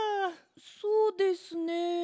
そうですね。